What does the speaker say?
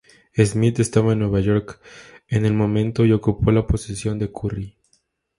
Smith estaba en Nueva York en el momento y ocupó la posición de Curry.